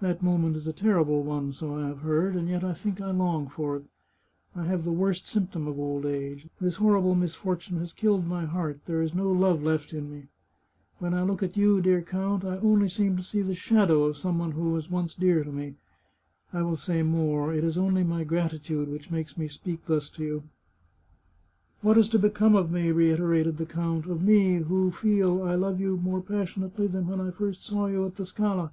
That moment is a terrible one, so I have heard, and yet I think I long for it, I have the worst symptom of old age. This horrible misfortune has killed my heart; there is no love left in me. When I look at you, dear count, I only seem to see the shadow of some one 301 The Chartreuse of Parma who was once dear to me ! I will say more. It is only my gratitude which makes me speak to you thus." " What is to become of me ?" reiterated the count ;" of me, who feel I love you more passionately than when I first saw you at the Scala